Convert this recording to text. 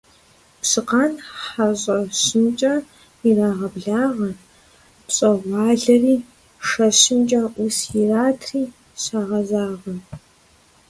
Пщыкъан хьэщӀэщымкӀэ ирагъэблагъэ, пщӀэгъуалэри шэщымкӀэ Ӏус иратри щагъэзагъэ.